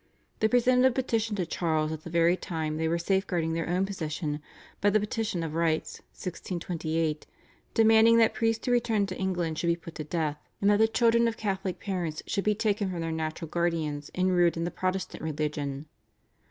They presented a petition to Charles at the very time they were safeguarding their own position by the Petition of Rights (1628) demanding that priests who returned to England should be put to death, and that the children of Catholic parents should be taken from their natural guardians and reared in the Protestant religion.